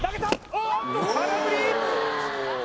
おっと空振り！